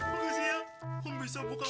makasih ya kamu bisa buka